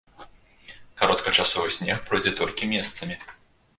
Кароткачасовы снег пройдзе толькі месцамі.